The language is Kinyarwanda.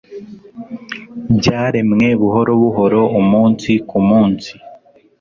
byaremwe buhoro buhoro, umunsi kumunsi